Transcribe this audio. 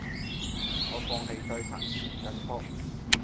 我放棄再彈前進曲